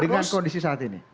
dengan kondisi saat ini